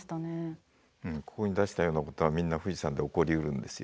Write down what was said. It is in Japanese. ここに出したようなことはみんな富士山で起こりうるんですよね。